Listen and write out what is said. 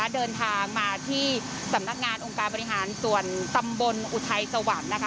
เดินทางมาที่สำนักงานองค์การบริหารส่วนตำบลอุทัยสวรรค์